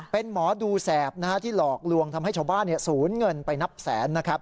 เป็นหมอดูแสบที่หลอกลวงทำให้ชาวบ้านสูญเงินไปนับแสนนะครับ